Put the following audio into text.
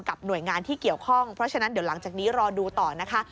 หน่วยงานที่เกี่ยวข้องเพราะฉะนั้นเดี๋ยวหลังจากนี้รอดูต่อนะคะ